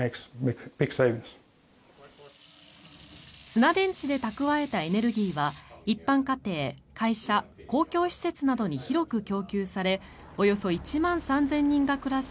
砂電池で蓄えたエネルギーは一般家庭、会社、公共施設などに広く供給されおよそ１万３０００人が暮らす